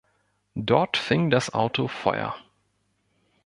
Dort fing das Auto Feuer.